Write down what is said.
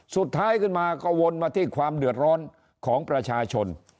สุดท้ายขึ้นมาก็วนมาที่ความเดือดร้อนของประชาชน